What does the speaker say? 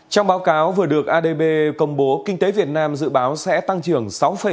trong báo cáo vừa được adb công bố kinh tế việt nam dự báo sẽ tăng trưởng sáu bảy